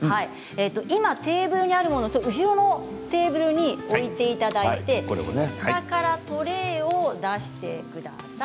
今テーブルにあるもの後ろのテーブルに置いていただいて下からトレーを出してください。